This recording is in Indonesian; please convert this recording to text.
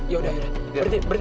yaudah berhenti berhenti